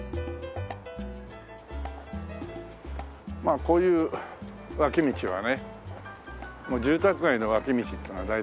まあこういう脇道はね住宅街の脇道っていうのは大体こういう雰囲気で。